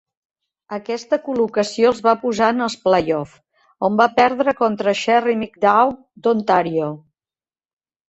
Aquesta col·locació els va posar en els playoffs, on va perdre contra Sherry Middaugh d'Ontario.